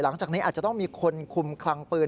หลังจากนี้อาจจะต้องมีคนคุมคลังปืน